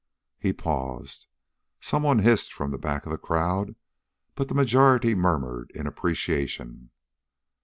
He paused. Someone hissed from the back of the crowd, but the majority murmured in appreciation.